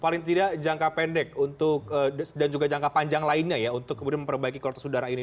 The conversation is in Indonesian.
paling tidak jangka pendek dan juga jangka panjang lainnya ya untuk kemudian memperbaiki kualitas udara ini